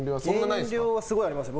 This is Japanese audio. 減量はすごいありますね。